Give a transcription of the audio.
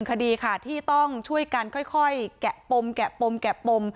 คดีค่ะที่ต้องช่วยกันค่อยแกะปมแกะปมแกะปม